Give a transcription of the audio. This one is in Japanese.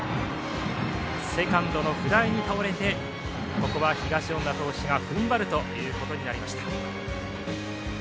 セカンドのフライに倒れてここは東恩納投手がふんばるということになりました。